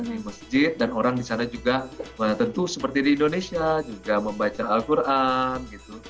di masjid dan orang di sana juga tentu seperti di indonesia juga membaca al quran gitu